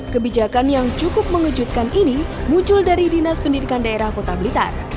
kebijakan yang cukup mengejutkan ini muncul dari dinas pendidikan daerah kota blitar